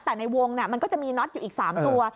แต่ในวงมันก็จะมีน็อตอยู่อีก๓ตัว